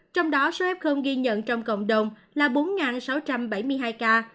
trong đó số f ghi nhận trong cộng đồng là bốn sáu trăm bảy mươi hai ca